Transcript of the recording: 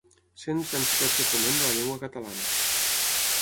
Cens d'entitats de foment de la llengua catalana.